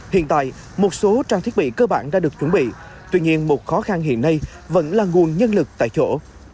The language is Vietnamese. hiện tại một số trang thiết bị cơ bản đã được chuẩn bị tuy nhiên một khó khăn hiện nay vẫn là nguồn nhân lực tại chỗ